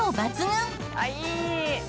「あっいい！」